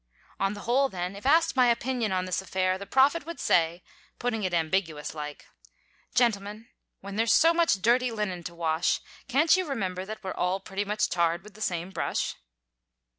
On the whole, then, if asked my opinion on this affair, the Prophet would say—putting it ambiguous like—"Gentlemen, when there's so much dirty linen to wash, can't you remember that we're all pretty much tarred with the same brush?"